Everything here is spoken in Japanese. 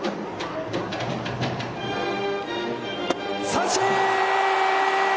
三振！